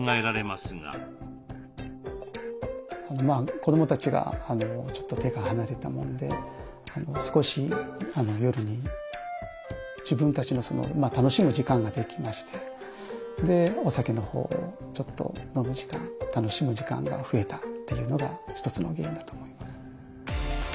子どもたちがちょっと手が離れたもんで少し夜に自分たちの楽しむ時間ができましてお酒のほうをちょっと飲む時間楽しむ時間が増えたというのが一つの原因だと思います。